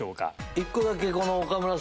１個だけ。